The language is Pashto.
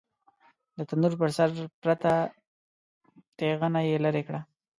د تنور پر سر پرته تېغنه يې ليرې کړه.